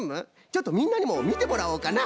ちょっとみんなにもみてもらおうかな。